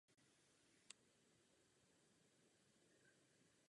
Podstatou analýzy vnitřního okolí podniku je objektivně zhodnotit současné postavení firmy.